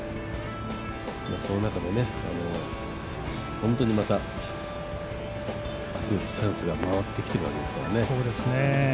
その中で、本当にまた明日、チャンスが回ってきているわけですからね。